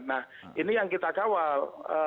nah ini yang kita kawal